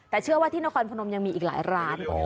แต่เชื่อว่าที่นครพนมยังมีอีกหลายร้าน